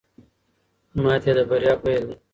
ماتې د بریا پیل دی.